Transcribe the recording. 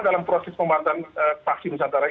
dalam proses pembatasan vaksin diantara ini